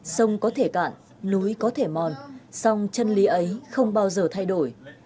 sông có thể cạn núi có thể mòn sông chân lý ấy không bao giờ thay đổi